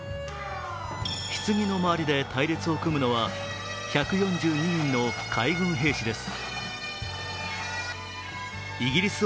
ひつぎの周りで隊列を組むのは１４２人の海軍兵士です。